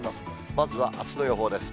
まずはあすの予報です。